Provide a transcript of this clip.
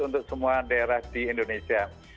untuk semua daerah di indonesia